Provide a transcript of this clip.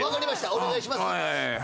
お願いします。